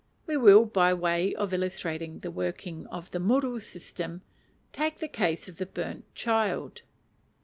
We will by way of illustrating the working of the muru system, take the case of the burnt child.